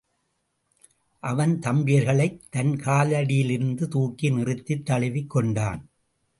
அவன் தம்பியர்களைத் தன் காலடியிலிருந்து தூக்கி நிறுத்தித் தழுவிக் கொண்டான்.